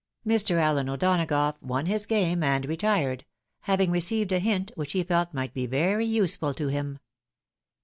Mr. Allen O'Donagough won his game, and retired ; having received a hint which he felt ■ might be very useful to him.